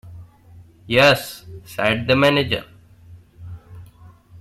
"Yes," said the manager.